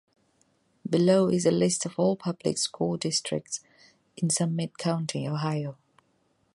Below is a list of all public school districts in Summit County, Ohio.